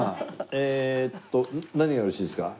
えっと何がよろしいですか？